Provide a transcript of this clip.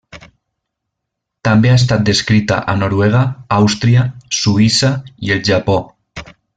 També ha estat descrita a Noruega, Àustria, Suïssa i el Japó.